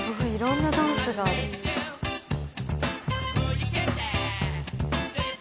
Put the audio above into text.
いろんなダンスがある」